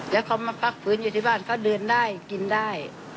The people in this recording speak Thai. แล้วเขามาพักฟื้นอยู่ที่บ้านเขาเดินได้กินได้